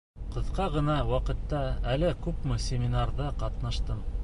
Ҡыҫҡа ғына ваҡытта әллә күпме семинарҙа ҡатнаштым.